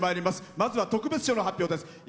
まずは特別賞の発表です。